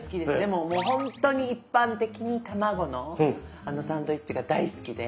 もうほんとに一般的に卵のあのサンドイッチが大好きで。